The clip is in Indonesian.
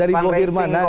dari bo hirmana